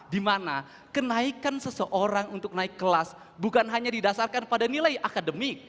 dimana kenaikan seseorang untuk naik kelas bukan hanya didasarkan pada nilai akademik